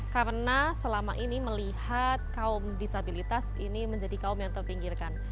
karena selama ini melihat kaum disabilitas ini menjadi kaum yang terpinggirkan